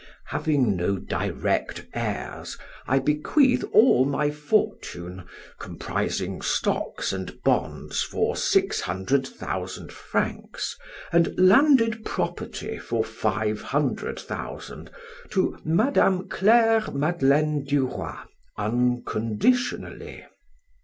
'" "'Having no direct heirs, I bequeath all my fortune, comprising stocks and bonds for six hundred thousand francs and landed property for five hundred thousand, to Mme. Claire Madeleine du Roy unconditionally.